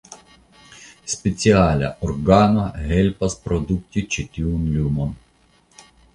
Speciala organo helpas produkti ĉi tiun lumon.